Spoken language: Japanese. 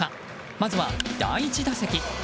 まずは、第１打席。